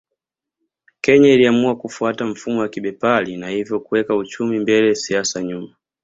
Kenya iliamua kufuata mfumo wa kibepari na hivyo kuweka uchumi mbele siasa nyuma